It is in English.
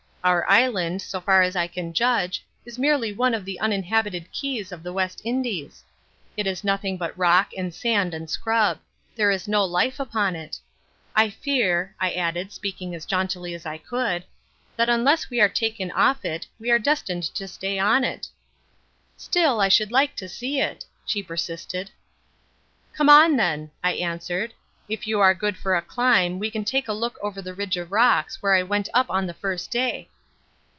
Our island, so far as I can judge, is merely one of the uninhabited keys of the West Indies. It is nothing but rock and sand and scrub. There is no life upon it. I fear," I added, speaking as jauntily as I could, "that unless we are taken off it we are destined to stay on it." "Still I should like to see it," she persisted. "Come on, then," I answered, "if you are good for a climb we can take a look over the ridge of rocks where I went up on the first day."